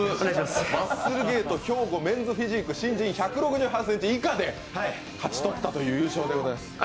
マッスルゲート兵庫メンズフィジーク新人１６８ｃｍ以下級で勝ち取ったという優勝でございます。